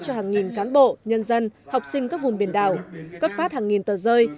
cho hàng nghìn cán bộ nhân dân học sinh các vùng biển đảo cấp phát hàng nghìn tờ rơi